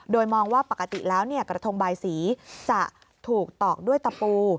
โดยมองว่าปกติแล้วกระทงบายสีจะถูกตอกด้วยตะปู